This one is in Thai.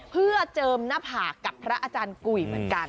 เพื่อเจิมหน้าผากกับพระอาจารย์กุยเหมือนกัน